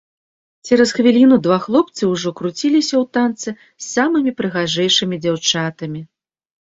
Цераз хвіліну два хлопцы ўжо круціліся ў танцы з самымі прыгажэйшымі дзяўчатамі.